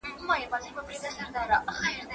په کندهار کي د صنعت لپاره دولت څه کوي؟